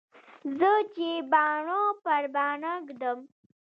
زه چې باڼه پر باڼه ږدم.